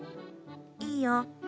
いいよ。